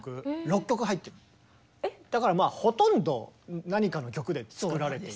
だからまあほとんど何かの曲で作られている。